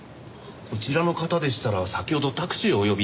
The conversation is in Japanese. こちらの方でしたら先ほどタクシーをお呼び致しました。